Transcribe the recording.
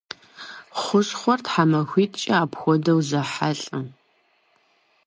Хущхъуэр тхьэмахуитӀкӀэ апхуэдэу зэхьэлӏэ.